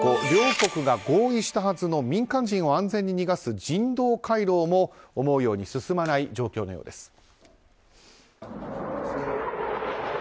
両国が合意したはずの民間人を安全に逃がす人道回廊も思うように進まない状況のようです。